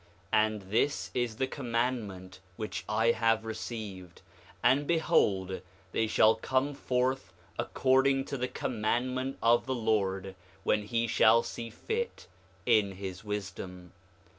5:13 And this is the commandment which I have received; and behold, they shall come forth according to the commandment of the Lord, when he shall see fit, in his wisdom.